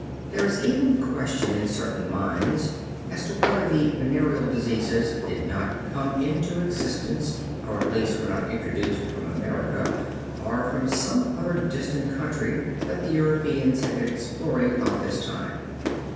There is even question in certain minds as to whether the venereal diseases did not come into existence, or at least were not introduced from America or from some other distant country that the Europeans had been exploring about this time.